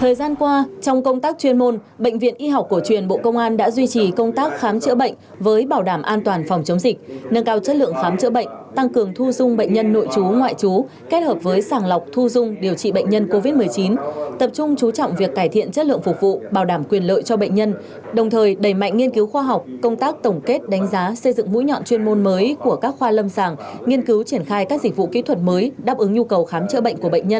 thời gian qua trong công tác chuyên môn bệnh viện y học cổ truyền bộ công an đã duy trì công tác khám chữa bệnh với bảo đảm an toàn phòng chống dịch nâng cao chất lượng khám chữa bệnh tăng cường thu dung bệnh nhân nội chú ngoại chú kết hợp với sàng lọc thu dung điều trị bệnh nhân covid một mươi chín tập trung chú trọng việc cải thiện chất lượng phục vụ bảo đảm quyền lợi cho bệnh nhân đồng thời đẩy mạnh nghiên cứu khoa học công tác tổng kết đánh giá xây dựng mũi nhọn chuyên môn mới của các khoa lâm sàng nghiên cứu